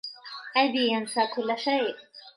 أبي ينسى كل شيء.